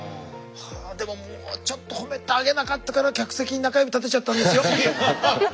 でももうちょっと褒めてあげなかったから客席に中指立てちゃったんですよ。